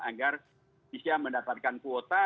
agar bisa mendapatkan kuota